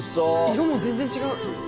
色も全然違う。